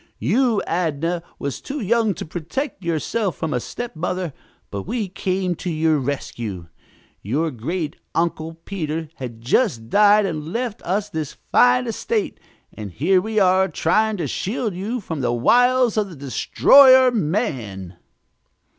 You, Adnah, was too young to protect yourself from a stepmother, but we came to your rescue. Your great uncle, Peter, had just died and left us this fine estate, and here we are, trying to shield you from the wiles of the destroyer, man!"